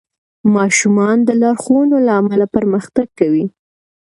ماشومان د لارښوونو له امله پرمختګ کوي.